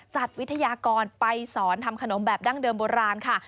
จัดวิทยากรไปสอนทำขนมแบบดั้งเดิมโบราณค่ะ